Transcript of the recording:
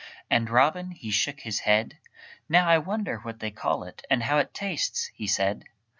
And Robin he shook his head: "Now I wonder what they call it, And how it tastes?" he said.